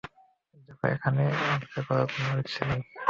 দেখো, এখানে অপেক্ষা করার কারো কোন ইচ্ছা নেই।